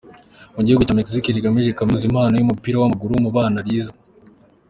mu gihugu cya Mexique rigamije kuzamura impano yumupira wamaguru mu bana riza.